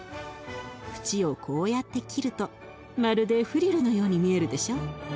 縁をこうやって切るとまるでフリルのように見えるでしょ？